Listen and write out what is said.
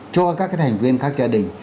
cho các thành viên các gia đình